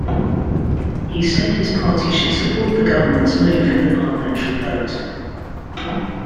He said his party should support the government's move in the parliamentary vote.